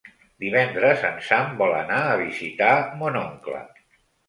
Divendres en Sam vol anar a visitar mon oncle.